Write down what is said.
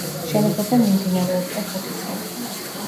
მშენებლობა მიმდინარეობდა ხუთი წელი.